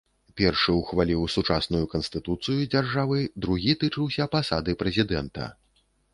Першы ўхваліў сучасную канстытуцыю дзяржавы, другі тычыўся пасады прэзідэнта.